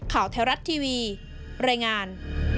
ข่าวไทยรัฐทีวีรายงาน